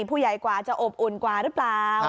ผู้ใหญ่กว่าจะอบอุ่นกว่าหรือเปล่า